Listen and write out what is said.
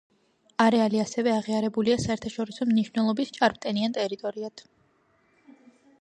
არეალი ასევე აღიარებულია საერთაშორისო მნიშვნელობის ჭარბტენიან ტერიტორიად.